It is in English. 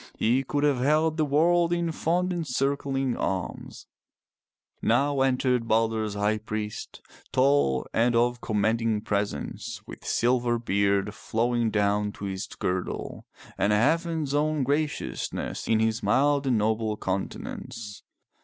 He could have held the world in fond encircling arms. Now entered Balder's high priest, tall and of commanding 357 MY BOOK HOUSE presence, with silver beard flowing down to his girdle, and heaven's own graciousness in his mild and noble countenance.